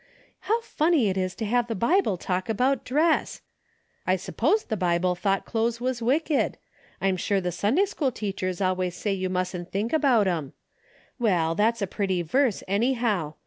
How funny it is to have the Bible talk about dress. I supposed the Bible thought clo'es was wicked. I'm sure the Sunday school teachers always say you mustn't think about 'em. Well, that's a pretty verse anyhow.